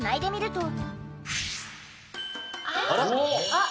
あっ！